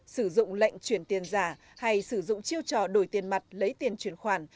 sử dụng lệnh chuyển tiền giả hay sử dụng chiêu trò đổi tiền mặt lấy tiền chuyển khoản